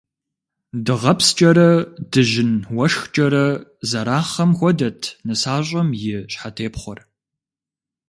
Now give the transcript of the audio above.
Дыгъэпскӏэрэ, дыжьын уэшхкӏэрэ зэрахъам хуэдэт нысащӏэм и щхьэтепхъуэр.